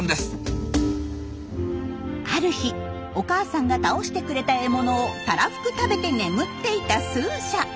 ある日お母さんが倒してくれた獲物をたらふく食べて眠っていたスージャ。